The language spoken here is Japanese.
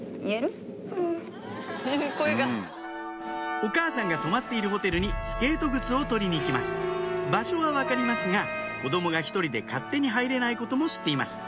お母さんが泊まっているホテルにスケート靴を取りに行きます場所は分かりますが子供が１人で勝手に入れないことも知っています